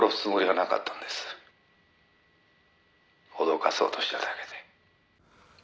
「脅かそうとしただけで」